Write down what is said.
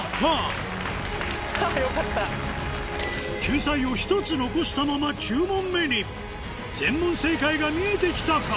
救済を１つ残したまま９問目に全問正解が見えて来たか？